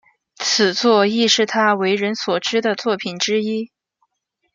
此作亦是他为人所知的作品之一。